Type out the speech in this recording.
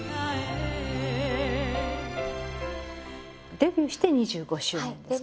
デビューして２５周年ですか？